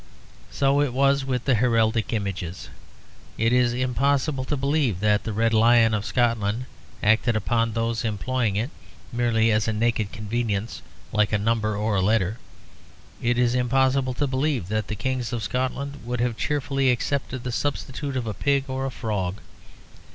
So it was with the heraldic images. It is impossible to believe that the red lion of Scotland acted upon those employing it merely as a naked convenience like a number or a letter; it is impossible to believe that the Kings of Scotland would have cheerfully accepted the substitute of a pig or a frog.